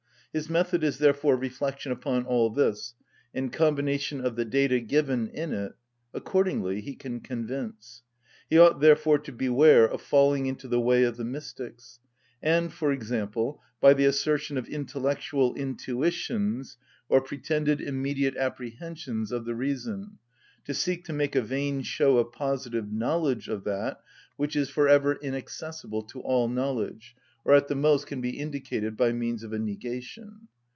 His method is therefore reflection upon all this, and combination of the data given in it: accordingly he can convince. He ought therefore to beware of falling into the way of the mystics, and, for example, by the assertion of intellectual intuitions or pretended immediate apprehensions of the reason, to seek to make a vain show of positive knowledge of that which is for ever inaccessible to all knowledge, or at the most can be indicated by means of a negation.